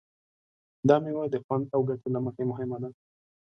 دا مېوه د خوند او ګټې له مخې مهمه ده.